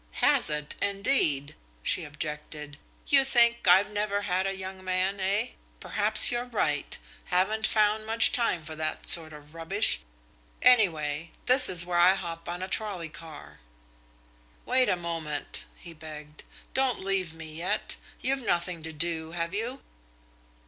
"Has it indeed!" she objected. "You think I've never had a young man, eh? Perhaps you're right. Haven't found much time for that sort of rubbish. Anyway, this is where I hop on a trolley car." "Wait a moment," he begged. "Don't leave me yet. You've nothing to do, have you?"